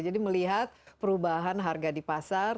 jadi melihat perubahan harga di pasar